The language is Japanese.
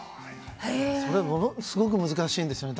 それ、ものすごく難しいんですよね。